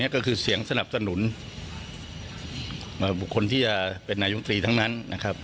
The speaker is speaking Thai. ก็คือเสียงสนับสนุนบุคคลที่จะเป็นนายุงตรีทั้งนั้นนะครับ